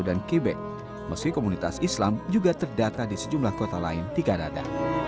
dan quebec meski komunitas islam juga terdata di sejumlah kota lain di kanada